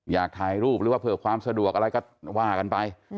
อยากถ่ายรูปหรือว่าเพื่อความสะดวกอะไรก็ว่ากันไป